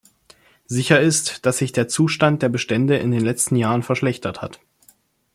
Sicher ist, dass sich der Zustand der Bestände in den letzten Jahren verschlechtert hat.